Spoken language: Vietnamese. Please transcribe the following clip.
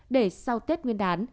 để sau tết nguyên đán